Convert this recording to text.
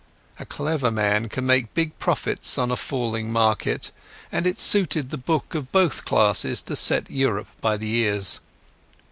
A clever man can make big profits on a falling market, and it suited the book of both classes to set Europe by the ears.